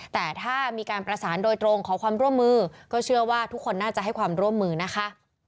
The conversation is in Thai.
แต่ถ้ามีการประสานโดยตรงขอความร่วมมือก็เชื่อว่าทุกคนน่าจะให้ความร่วมมือนะคะ